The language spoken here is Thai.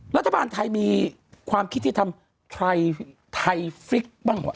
รัฐบาลไทยมีความคิดที่ทำไทยฟริกบ้างเหรอ